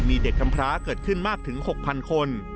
มีเด็กกำพร้าเกิดขึ้นมากถึง๖๐๐คน